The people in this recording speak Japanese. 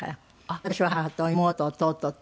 私は母と妹と弟と。